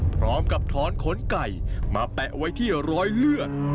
พร้อมกับถอนขนไก่มาแปะไว้ที่รอยเลือด